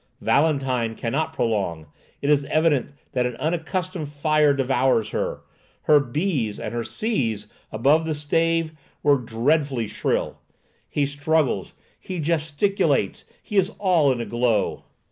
Valentine cannot "prolong." It is evident that an unaccustomed fire devours her. Her b's and her c's above the stave were dreadfully shrill. He struggles, he gesticulates, he is all in a glow.